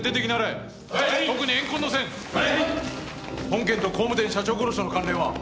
本件と工務店社長殺しとの関連は？